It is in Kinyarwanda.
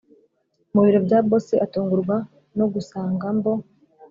mubiro bya boss atungurwa no gusangambo